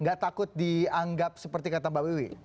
nggak takut dianggap seperti kata mbak bewi